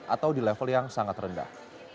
atau di level yang sangat rendah